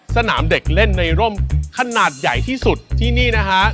สนามเด็กเล่นในร่มขนาดใหญ่ที่สุดที่นี่นะฮะ